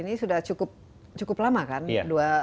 ini sudah cukup lama kan